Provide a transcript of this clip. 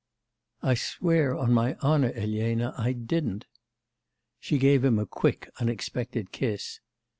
'I swear on my honour, Elena, I didn't.' She gave him a quick unexpected kiss.